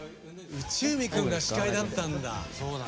内海くんが司会だったんだ。